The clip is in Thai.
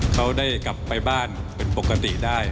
เขาได้กลับไปบ้านเป็นปกติได้